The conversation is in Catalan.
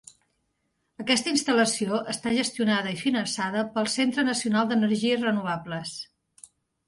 Aquesta instal·lació està gestionada i finançada pel Centre Nacional d'Energies Renovables.